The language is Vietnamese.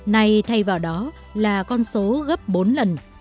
nay thay vào đó là con số gấp bốn lần